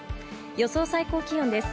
予想最高気温です。